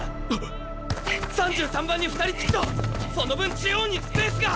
３３番に２人つくとその分中央にスペースが！